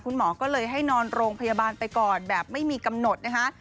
คุณหมอก็เลยให้นอนโรงพยาบาลไปก่อนแบบไม่มีกำหนดนะคะ